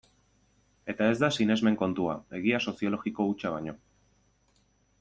Eta ez da sinesmen kontua, egia soziologiko hutsa baino.